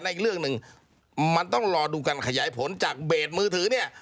อีกเรื่องหนึ่งมันต้องรอดูการขยายผลจากเบสมือถือเนี่ย